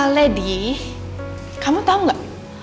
lady kamu tau gak